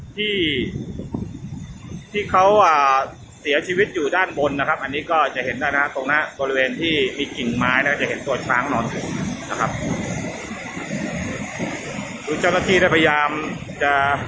จะทำอะไรได้ขนาดไหนนะครับอันนี้ก็จะเป็นตรงน้ำตกชั้นที่หนึ่งที่เราจะ